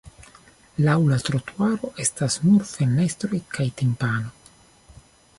Laŭ la trotuaro estas nur fenestroj kaj timpano.